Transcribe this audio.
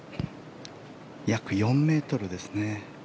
約４ｍですね。